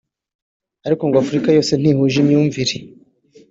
ariko ngo Afurika yose ntihuje imyumvire